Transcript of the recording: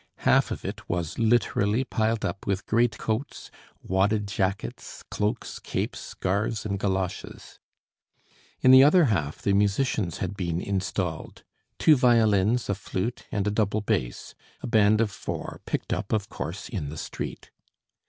Half of it was literally piled up with greatcoats, wadded jackets, cloaks, capes, scarves and galoshes. In the other half the musicians had been installed; two violins, a flute, and a double bass, a band of four, picked up, of course, in the street.